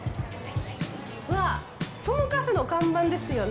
うわ、そのカフェの看板ですよね。